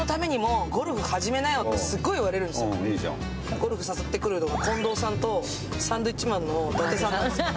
ゴルフ誘ってくるのが近藤さんとサンドイッチマンの伊達さん。